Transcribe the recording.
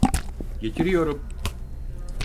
Getiriyorum.